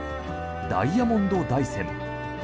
ダイヤモンド大山。